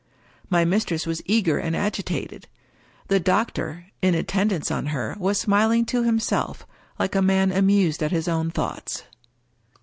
My mistress was eager and agitated. The doctor (in at tendance on her) was smiling to himself, like a man amused at his own thoughts.